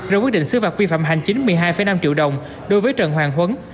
rồi quyết định xứ vạc vi phạm hành chính một mươi hai năm triệu đồng đối với trần hoàng huấn